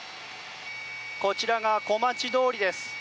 こちらが小町通りです。